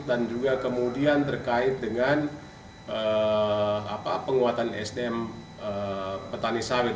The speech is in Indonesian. dan juga kemudian terkait dengan penguatan sdm petani sawit